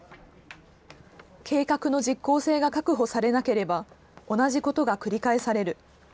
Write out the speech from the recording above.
計画の実効性が確保されなければ、同じことが繰り返される。